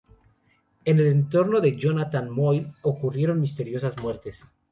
En el entorno de Jonathan Moyle ocurrieron misteriosas muertes.